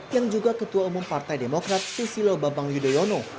yang juga ketua umum partai demokrat susilo bambang yudhoyono